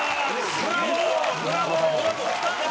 ブラボー！